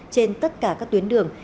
trên tất cả các tuyến đường